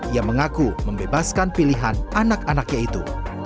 ia mengaku membebaskan pilihan anak anaknya itu